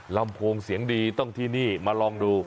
ลำโพงเสียงดีต้องที่นี่มาลองดู